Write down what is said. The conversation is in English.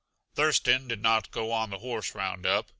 Thurston did not go on the horse roundup.